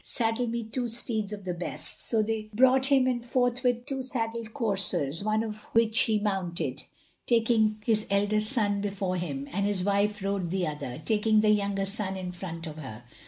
Saddle me two steeds of the best." So they brought him forthwith two saddled coursers, one of which he mounted, taking his elder son before him, and his wife rode the other, taking the younger son in front of her.